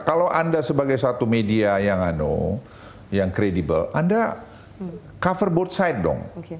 kalau anda sebagai satu media yang credible anda cover both side dong